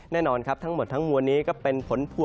แน่นอนทั้งหมดทั้งวันนี้ก็เป็นผลพัว